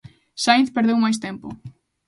Sainz perdeu máis tempo.